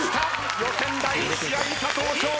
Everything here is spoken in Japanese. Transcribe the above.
予選第１試合佐藤勝利